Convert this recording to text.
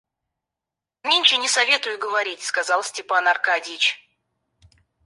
Нынче не советую говорить, — сказал Степан Аркадьич.